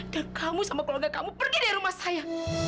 dan kamu sama keluarga kamu pergi dari rumah saya